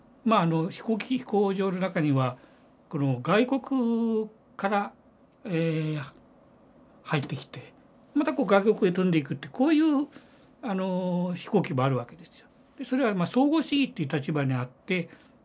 飛行場の中には外国から入ってきてまた外国へ飛んでいくってこういう飛行機もあるわけですよ。